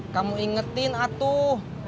kamu ingetin atuh